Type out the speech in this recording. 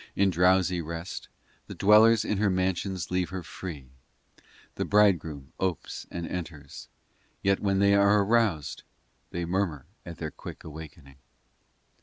x In drowsy rest The dwellers in her mansions leave her free The Bridegroom opes and enters Yet when they are aroused They murmur at their quick awakening.